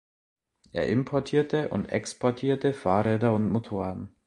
Er importierte und exportierte Fahrräder und Motoren.